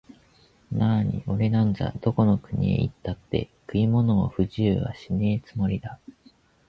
なあにおれなんざ、どこの国へ行ったって食い物に不自由はしねえつもりだ